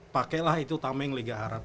pakailah itu utama yang liga arab